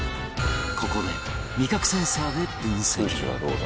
ここで味覚センサーで分析